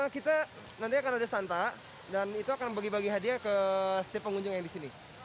kita nanti akan ada santa dan itu akan bagi bagi hadiah ke setiap pengunjung yang di sini